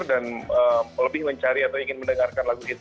dan lebih mencari atau ingin mendengarkan lagu hit